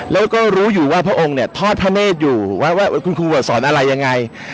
แล้วก็รู้อยู่ว่าพระองค์เนี่ยทอดพระเนธอยู่ว่าคุณครูสอนอะไรยังไง